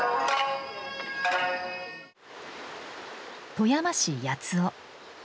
富山市八尾。